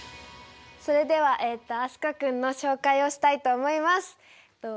それでは飛鳥君の紹介をしたいと思います。